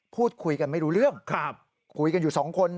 พูดคุยกันไม่รู้เรื่องคุยกันอยู่สองคน